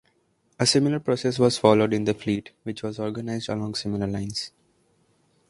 A similar process was followed in the fleet, which was organized along similar lines.